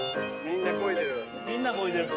みんなこいでる。